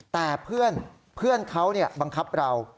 แต่เพื่อนเพื่อนเขาเนี่ยบังคับเรา